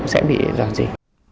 sẽ bị dò gì